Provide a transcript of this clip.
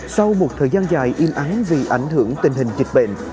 sau một thời gian dài im ắng vì ảnh hưởng tình hình dịch bệnh